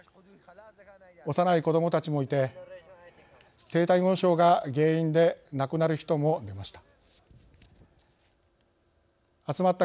幼い子どもたちもいて低体温症が原因で亡くなる人も出ました。